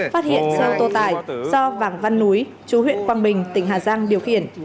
phát hiện xe ô tô tải do vàng văn núi chú huyện quang bình tỉnh hà giang điều khiển